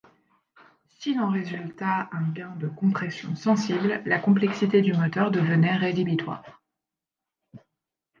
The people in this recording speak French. S'il en résulta un gain de compression sensible, la complexité du moteur devenait rédhibitoire.